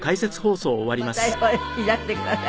またいらしてください。